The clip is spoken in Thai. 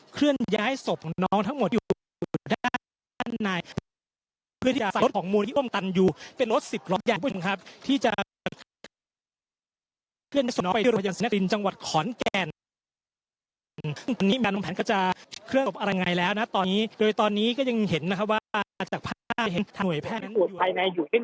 เคลื่อนย้ายศพของน้องทั้งหมดอยู่